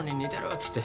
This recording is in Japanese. っつって。